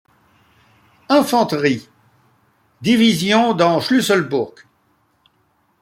Infanterie-Division dans Schlüsselburg.